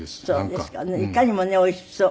いかにもねおいしそう。